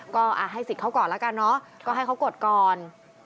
ก็ให้สิทธิ์เขาก่อนแล้วกันเนอะก็ให้เขากดก่อน